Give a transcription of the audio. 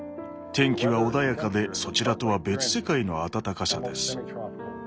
天気は穏やかでそちらとは別世界の暖かさです。